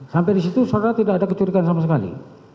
sampai disitu seolah olah tidak ada kecurigaan sama sekali